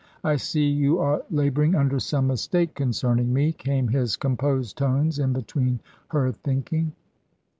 " I see you are labouring under some mistake con cerning me," came his composed tones in between her thinking.